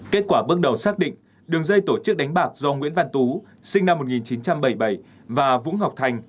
kết quả bước đầu xác định đường dây tổ chức đánh bạc do nguyễn văn tú sinh năm một nghìn chín trăm bảy mươi bảy và vũ ngọc thành